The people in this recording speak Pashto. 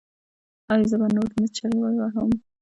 ایا زه به نور نه چیغې وهم؟